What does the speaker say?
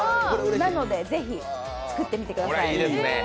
なのでぜひ作ってみてください。